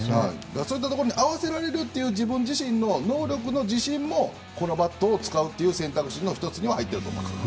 そういったところに合わせられるという自分自身の能力の自信もこのバットを使うという選択肢の１つには入っていると思います。